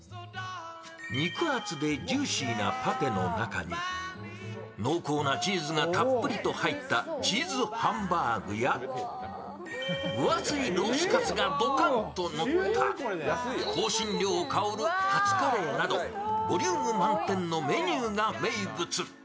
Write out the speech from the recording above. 肉厚でジューシーなパテの中に濃厚なチーズがたっぷりと入ったチーズハンバーグや分厚いロースカツがドカッとのった香辛料香るカツカレーなどボリューム満点のメニューが名物。